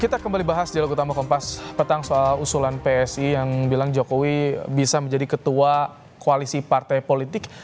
kita kembali bahas dialog utama kompas petang soal usulan psi yang bilang jokowi bisa menjadi ketua koalisi partai politik